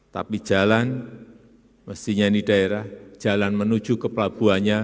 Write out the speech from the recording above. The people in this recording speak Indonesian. tapi jalan mestinya ini daerah jalan menuju ke pelabuhannya